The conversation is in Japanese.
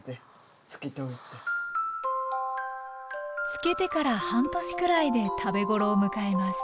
漬けてから半年くらいで食べごろを迎えます